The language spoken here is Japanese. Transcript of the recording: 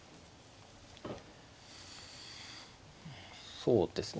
そうですね